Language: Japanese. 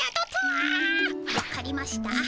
わかりました。